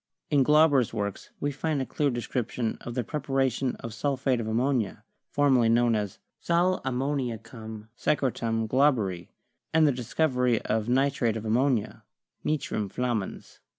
In Glauber's works we find a clear description of the preparation of sulphate of ammonia, formerly known as "sal ammoniacum secre tum Glauberi," and the discovery of nitrate of ammonia, 'nitrum flammans.'